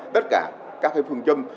tất cả các phần châm